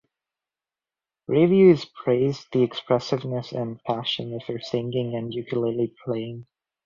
Reviews praised the expressiveness and passion of her singing and ukulele playing.